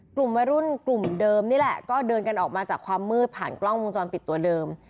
กลุ่มวัยรุ่นกลุ่มเดิมนี่แหละก็เดินกันออกมาจากความมืดผ่านกล้องวงจรปิดตัวเดิม